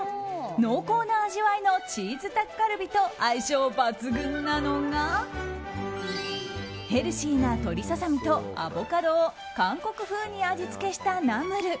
濃厚な味わいのチーズタッカルビと相性抜群なのがヘルシーな鶏ささみとアボカドを韓国風に味付けしたナムル。